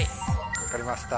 分かりました。